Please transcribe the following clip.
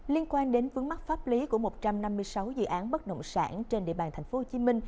liên quan đến vướng mắc pháp lý của một trăm năm mươi sáu dự án bất động sản trên địa bàn tp hcm